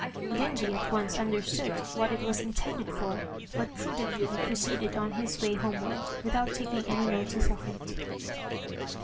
Genji at once understood what it was intended for, but prudently proceeded on his way homeward without taking any notice of it.